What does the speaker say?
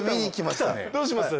どうします？